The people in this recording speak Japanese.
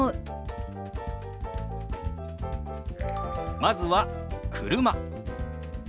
まずは「車」。